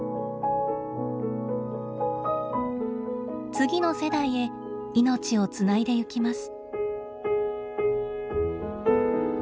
次の世代へ命をつないでいきます。